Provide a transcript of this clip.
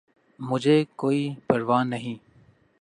!مجھے کوئ پرواہ نہیں